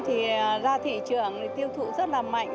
thì ra thị trường tiêu thụ rất là mạnh